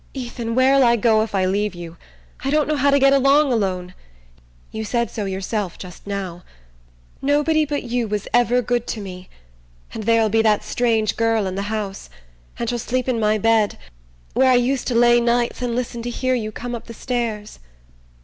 "Ethan, where'll I go if I leave you? I don't know how to get along alone. You said so yourself just now. Nobody but you was ever good to me. And there'll be that strange girl in the house... and she'll sleep in my bed, where I used to lay nights and listen to hear you come up the stairs..."